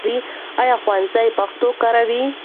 ایا ښوونځی پښتو کاروي؟